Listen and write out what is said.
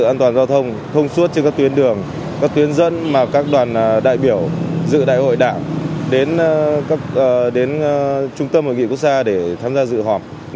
an toàn giao thông thông suốt trên các tuyến đường các tuyến dân mà các đoàn đại biểu dự đại hội đảng đến trung tâm hội nghị quốc gia để tham gia dự họp